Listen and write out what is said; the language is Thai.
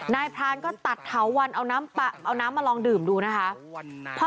พรานก็ตัดเถาวันเอาน้ำมาลองดื่มดูนะคะ